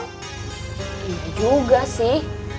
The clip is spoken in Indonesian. gak ada juga sih